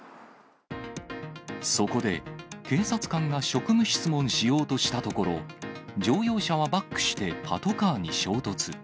そこで、警察官が職務質問しようとしたところ、乗用車はバックしてパトカーに衝突。